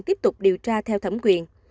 tiếp tục điều tra theo thẩm quyền